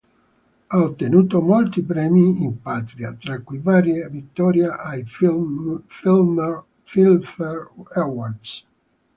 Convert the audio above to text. Ha ottenuto molti premi in patria, tra cui varie vittorie ai Filmfare Awards.